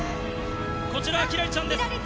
こちらは輝星ちゃんです。